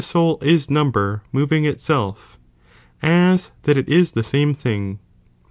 goal is number moving itself, as that it is the 2'\'^?'^g same thing.